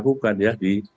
harus kita lakukan ya